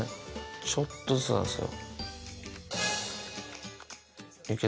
ちょっとずつなんですよ。